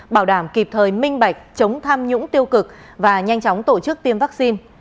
bảo đảm kịp thời minh bạch chống tham nhũng tiêu cực và nhanh chóng tổ chức tiêm vaccine